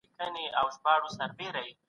د اقتصاد پوهانو مشورې باید واورېدل سي.